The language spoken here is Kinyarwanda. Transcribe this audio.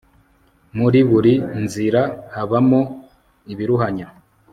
muri buri nzirahabamo ibiruhanya